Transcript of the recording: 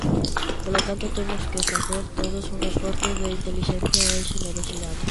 Polo tanto, temos que facer todos un esforzo de intelixencia e xenerosidade.